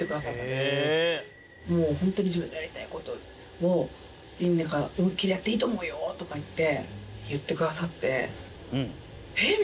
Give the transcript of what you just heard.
「ホントに自分のやりたい事をいいんだから思いっきりやっていいと思うよ」とかいって言ってくださって「えっ！？」